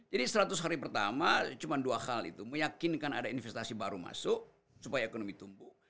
jadi seratus hari pertama cuma dua hal itu meyakinkan ada investasi baru masuk supaya ekonomi tumbuh